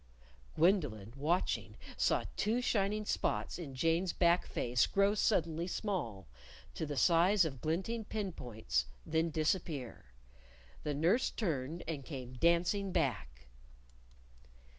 _ Gwendolyn, watching, saw two shining spots in Jane's back face grow suddenly small to the size of glinting pin points; then disappear. The nurse turned, and came dancing back.